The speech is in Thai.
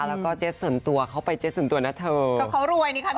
แล้วก็เจสตัวเข้าไปเจสตัวนัตเถิม